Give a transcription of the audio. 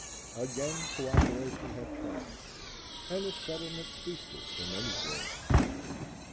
Again coöperation had triumphed, and the settlement feasted for many days.